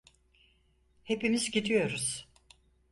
Hepimiz gidiyoruz.